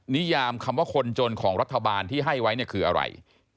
นิยามคำว่าคนจนของรัฐบาลที่ให้ไว้เนี่ยคืออะไร